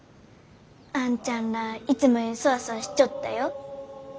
あんちゃんらあいつもよりそわそわしちょったよ。